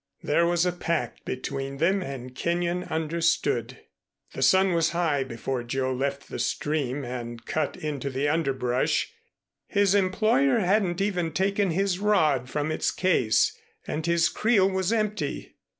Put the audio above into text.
There was a pact between them and Kenyon understood. The sun was high before Joe left the stream and cut into the underbrush. His employer hadn't even taken his rod from its case, and his creel was empty.